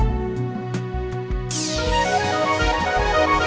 karena dekatasi hamil banyak sekali dengan kebenarannya